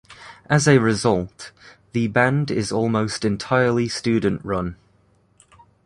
As a result, the band is almost entirely student-run.